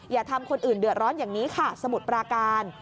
อย่าทำคนอื่นเดือดร้อนอย่างนี้ค่ะสมุทรปราการ